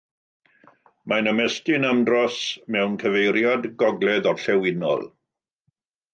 Mae'n ymestyn am dros mewn cyfeiriad gogledd-orllewinol.